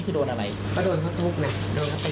พลังตำนาน